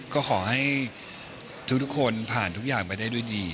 ก็ขอให้ทุกคนผ่านทุกอย่างไปได้ด้วยดี